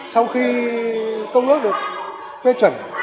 sau khi công ước được phê chuẩn